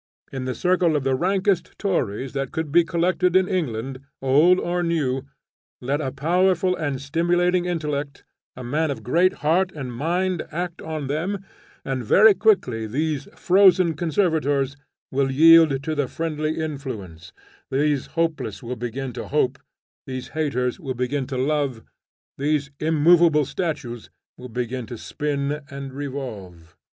In the circle of the rankest tories that could be collected in England, Old or New, let a powerful and stimulating intellect, a man of great heart and mind, act on them, and very quickly these frozen conservators will yield to the friendly influence, these hopeless will begin to hope, these haters will begin to love, these immovable statues will begin to spin and revolve.